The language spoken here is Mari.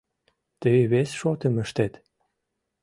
Тый вес шотым ыштет.